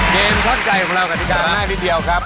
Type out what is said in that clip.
เกมช่างใจของเรากระดิกามากนิดเดียวครับ